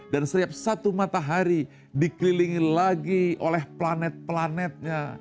dan setiap satu matahari dikelilingi lagi oleh planet planetnya